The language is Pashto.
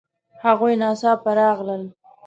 هغوی ناڅاپه راغلل